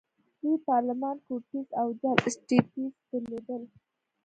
دوی پارلمان، کورټس او جل اسټټس درلودل.